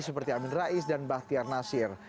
seperti amin rais dan bahtiar nasir